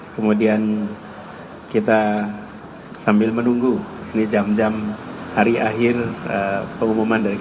kemudian kita sambil menunggu ini jam jam hari akhir pengumuman dari kpk